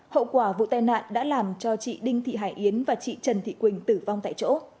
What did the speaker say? hậu quả vụ tai nạn đã làm cho chị đinh thị hải yến và chị trần thị quỳnh tử vong tại chỗ